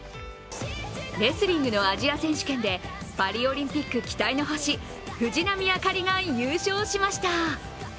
レスリングのアジア選手権でパリオリンピック期待の星藤波朱理が優勝しました。